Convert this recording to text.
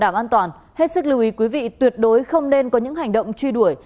đảm an toàn hết sức lưu ý quý vị tuyệt đối không nên có những hành động truy đuổi